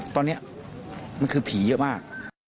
ตอนนี้มันคือผีเยอะมาก